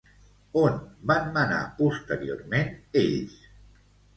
On van manar posteriorment ells?